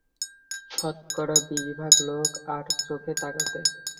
শতকরা বিশ ভাগ লোক আড়চোখে তাকাবে।